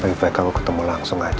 baik baik aku ketemu langsung aja